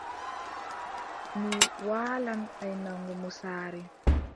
Mi waalan aynango mo saare.